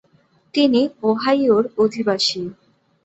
তিনি ওহাইওর অধিবাসী।